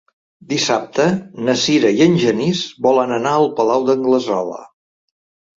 Dissabte na Sira i en Genís volen anar al Palau d'Anglesola.